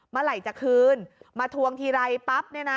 เมื่อไหร่จะคืนมาทวงทีไรปั๊บ